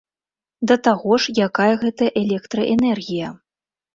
Да таго ж, якая гэта электраэнергія?